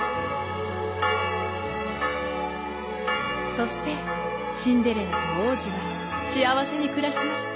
そしてシンデレラとおうじはしあわせにくらしました。